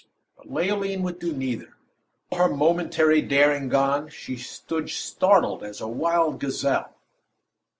But Leoline would do neither. With all her momentary daring gone, she stood startled as a wild gazelle.